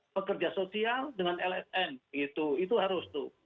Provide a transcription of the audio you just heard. pekerja sosial dengan lsm gitu itu harus tuh